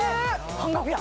半額や！